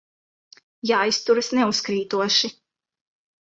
Jāizturas neuzkrītoši.